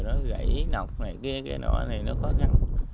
nó gãy nọc này kia kia nó thì nó khó khăn